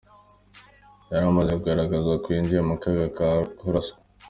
Yari imaze kugaragaza ko yinjiye mu kaga ko kuraswa .